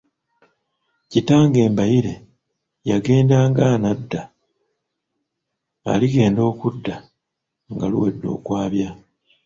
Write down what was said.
Kitange Mbaire, yagenda ng’anadda, aligenda okudda nga luwedde okwabya.